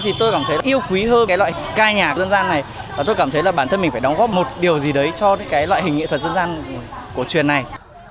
thì tôi cảm thấy yêu quý hơn cái loại ca nhạc dân gian này và tôi cảm thấy là bản thân mình phải đóng góp một điều gì đấy cho cái loại hình nghệ thuật dân gian cổ truyền này